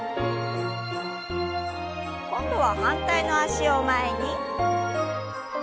今度は反対の脚を前に。